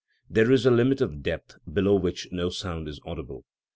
There is a limit of depth, below which no sound is audible.